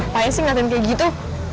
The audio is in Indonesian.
kayaknya sih ngeliatin kayak gitu